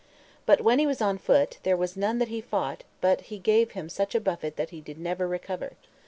But when he was on foot, there was none that he fought but he gave him such a buffet that he did never recover.